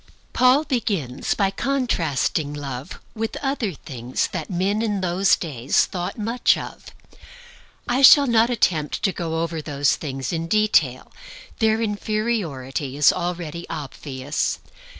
Paul begins by contrasting Love with other things that men in those days thought much of. I shall not attempt to go over these things in detail. Their inferiority is already obvious.